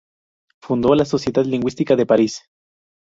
Fundó la Sociedad Lingüística de París.